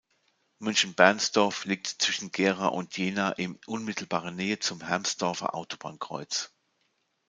Münchenbernsdorf liegt zwischen Gera und Jena in unmittelbarer Nähe zum Hermsdorfer Autobahnkreuz.